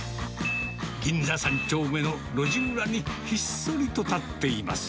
銀座３丁目の路地裏に、ひっそりと建っています。